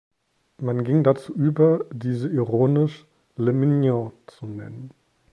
Man ging dazu über, diese ironisch „les mignons“ zu nennen.